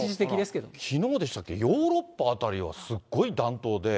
きのうでしたっけ、ヨーロッパ辺りはすっごい暖冬で。